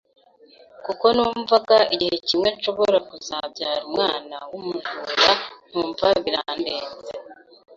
kuko numvaga igihe kimwe nshobora kuzabyara umwana w’umujura nkumva birandenze.